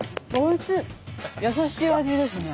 優しい味ですね。